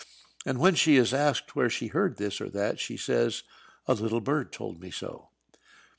And when she is asked where she heard this or that, she says, 'A little bird told me so.'"